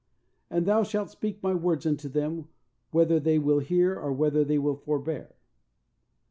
And thou shalt speak My words unto them, whether they will hear or whether they will forbear."